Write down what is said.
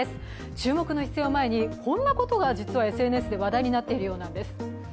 注目の一戦を前にこんなことが実はＳＮＳで話題になっているようなんです。